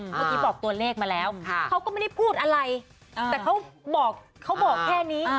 เมื่อกี้บอกตัวเลขมาแล้วเขาก็ไม่ได้พูดอะไรแต่เขาบอกเขาบอกแค่นี้